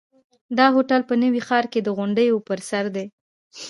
دا هوټل په نوي ښار کې د غونډیو پر سر دی.